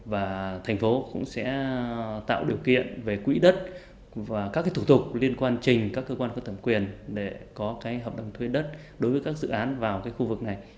và thành phố cũng sẽ tạo điều kiện về quỹ đất và các thủ tục liên quan trình các cơ quan có thẩm quyền để có cái hợp đồng thuê đất đối với các dự án vào khu vực này